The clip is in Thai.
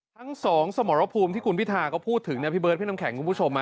ทั้งสองสมรภูมิที่คุณพิธาก็พูดถึงเนี่ยพี่เบิร์ดพี่น้ำแข็งคุณผู้ชม